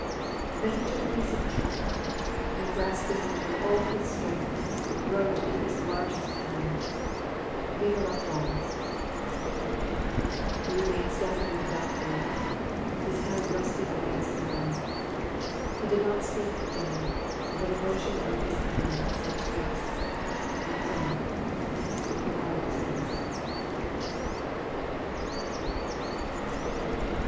Then he took a piece of chalk, and grasping it with all his strength, wrote in his largest hand, —" Vive La France !" He remained standing at the blackboard, his head resting against the wall. He did not speak again, but a motion of his hand said to us, —" That is all. You are dismissed."